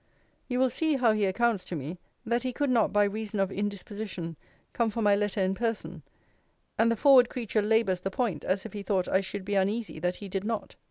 You will see how he accounts to me, 'That he could not, by reason of indisposition, come for my letter in person: and the forward creature labours the point, as if he thought I should be uneasy that he did not.'